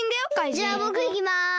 じゃあぼくいきます。